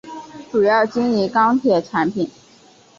主要经营钢铁产品。